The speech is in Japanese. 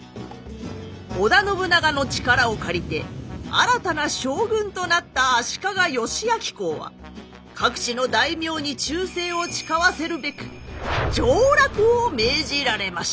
織田信長の力を借りて新たな将軍となった足利義昭公は各地の大名に忠誠を誓わせるべく上洛を命じられました。